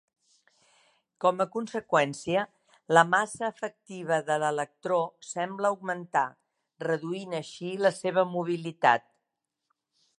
Com a conseqüència, la massa efectiva de l'electró sembla augmentar, reduint així la seva mobilitat.